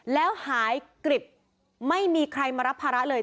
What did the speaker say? แล้วหายกริบไม่มีใครมารับภาระเลย